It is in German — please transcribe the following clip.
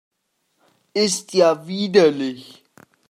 Ist ja widerlich!